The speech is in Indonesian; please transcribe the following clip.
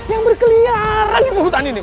yang berkeliaran ini hutan ini